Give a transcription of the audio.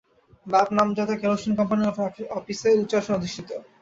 বাপ নামজাদা কেরোসিন কোম্পানির আপিসে উচ্চ আসনে অধিষ্ঠিত।